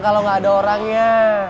kalau gak ada orangnya